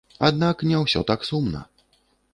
Аднак не ўсё так сумна.